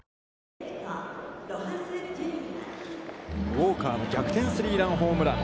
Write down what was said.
ウォーカーの逆転スリーランホームラン。